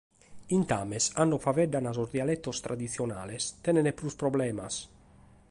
Intames, cando faeddant sos dialetos traditzionales tenent prus problemas.